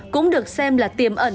cũng được xem là tiềm ẩn